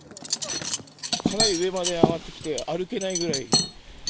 かなり上まで上がってきて、歩けないぐらい。